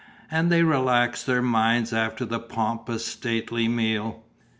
And they relaxed their minds after the pompous, stately meal.